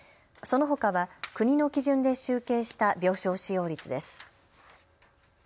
そのほかは国の基準で集計した病床使用率です。